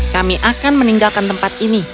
kami akan meninggalkan tempat ini